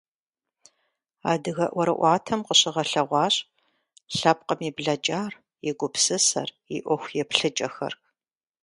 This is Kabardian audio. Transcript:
Адыгэ ӀуэрыӀуатэм къыщыгъэлъэгъуащ лъэпкъым и блэкӀар, и гупсысэр, и Ӏуэху еплъыкӀэхэр.